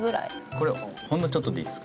これほんのちょっとでいいです。